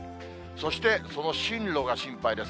そしてその進路が心配です。